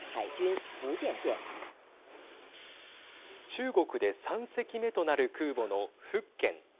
中国で３隻目となる空母の福建。